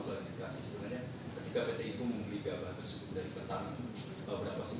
ketika pt ibu membeli gabah tersebut dari petang